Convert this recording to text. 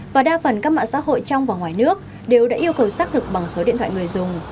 và đa phần các mạng xã hội trong và ngoài nước đều đã yêu cầu xác thực bằng số điện thoại người dùng